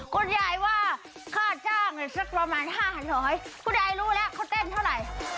คนยายว่าข้าจะจ้างสักประมาณห้าร้อยคุณยายรู้แล้วเขาเต้นเท่าไร